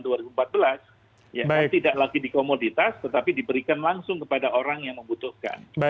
tidak lagi di komoditas tetapi diberikan langsung kepada orang yang membutuhkan